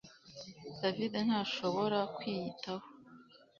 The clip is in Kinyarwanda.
David ntashobora kwiyitaho